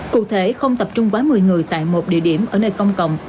cụ thể không tập trung quá một mươi người tại một địa điểm ở nơi công cộng